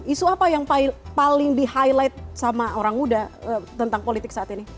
isu apa yang paling di highlight sama orang muda tentang politik saat ini